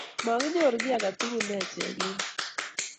Makinyoru kiy age tugul ache eng yu